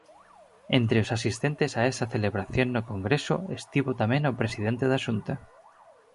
Entre os asistentes a esa celebración no Congreso estivo tamén o presidente da Xunta.